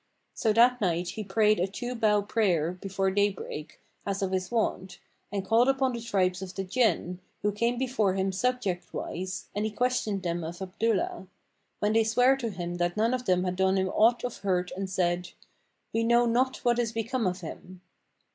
[FN#555] So that night he prayed a two bow prayer before daybreak, as of his wont, and called upon the tribes of the Jinn, who came before him subject wise, and he questioned them of Abdullah: when they sware to him that none of them had done him aught of hurt and said, "We know not what is become of him."